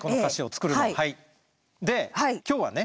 で今日はね